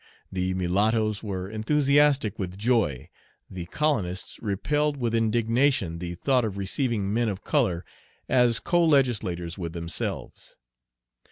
The mulattoes were enthusiastic with joy, The colonists repelled with indignation the thought of receiving men Page 48 of color as co legislators with themselves.